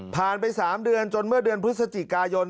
ไป๓เดือนจนเมื่อเดือนพฤศจิกายน